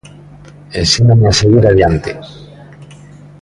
Ensíname a seguir adiante.